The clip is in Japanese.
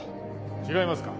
違いますか？